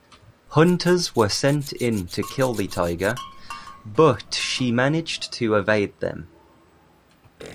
Hunters were sent in to kill the tiger, but she managed to evade them.